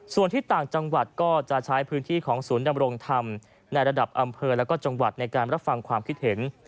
ส่วนที่ต่างจังหวัดก็จะใช้พื้นที่ของศูนย์ดำรงธรรมในระดับอำเภอและก็จังหวัดในการรับฟังความคิดเห็น